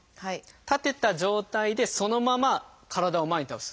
立てた状態でそのまま体を前に倒す。